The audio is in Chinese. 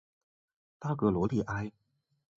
拉格罗利埃。